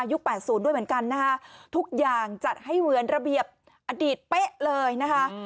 แปดศูนย์ด้วยเหมือนกันนะคะทุกอย่างจัดให้เหมือนระเบียบอดีตเป๊ะเลยนะคะ